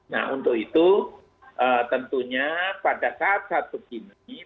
nah untuk itu tentunya pada saat saat begini